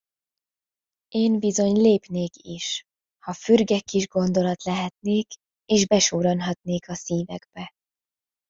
Én bizony lépnék is; ha fürge kis gondolat lehetnék, és besurranhatnék a szívekbe.